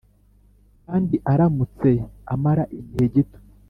kandi aramutse amara igihe gito.